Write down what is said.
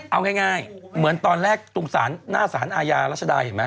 เอาง่ายเหมือนตอนแรกตรงหน้าสารอาญารัชดาเห็นไหม